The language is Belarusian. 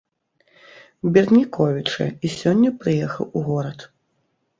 Берніковіча, і сёння прыехаў у горад.